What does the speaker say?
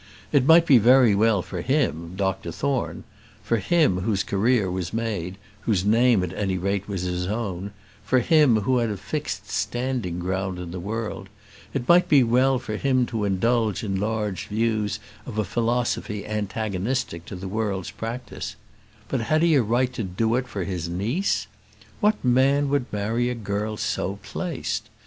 It might be very well for him, Dr Thorne; for him whose career was made, whose name, at any rate, was his own; for him who had a fixed standing ground in the world; it might be well for him to indulge in large views of a philosophy antagonistic to the world's practice; but had he a right to do it for his niece? What man would marry a girl so placed?